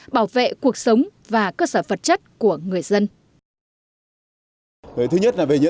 bảo vệ cuộc sống và cơ sở vật chất của người dân